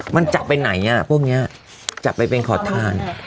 มันจับไปไหนเลยพวกเงี้ยจับไปเป็นขอดทาน